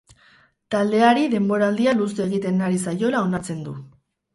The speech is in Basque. Taldeari denboraldia luze egiten ari zaiola onartzen du.